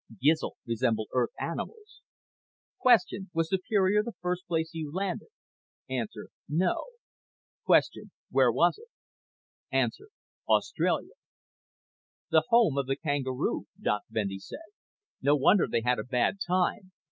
GIZL RESEMBLE EARTH ANIMALS Q. WAS SUPERIOR THE FIRST PLACE YOU LANDED A. NO Q. WHERE WAS IT A. AUSTRALIA "The home of the kangaroo," Doc Bendy said. "No wonder they had a bad time.